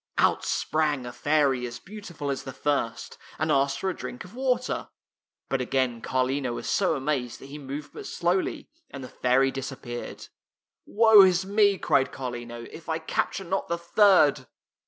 Out sprang a fairy as beautiful as the fii'st, and asked for a drink of water. But again Carlino was so amazed that he moved but slowly, and the fairy disappeared. " Woe is me," cried Carlino, " if I cap ture not the third!